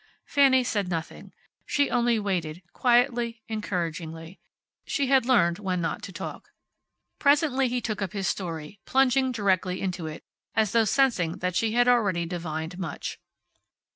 Fanny said nothing. She only waited, quietly, encouragingly. She had learned when not to talk. Presently he took up his story, plunging directly into it, as though sensing that she had already divined much.